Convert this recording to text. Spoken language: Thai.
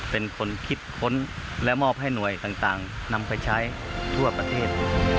เป็นคนคิดค้นและมอบให้หน่วยต่างนำไปใช้ทั่วประเทศ